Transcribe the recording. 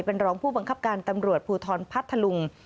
เป็นรองผู้บังคับการตำรวจภูทรพัทธลุง